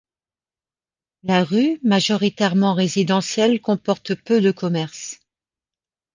La rue majoritairement résidentielle comporte peu de commerces.